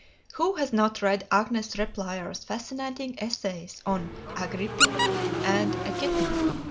Who has not read Agnes Repplier's fascinating essays on "Agrippina" and "A Kitten"?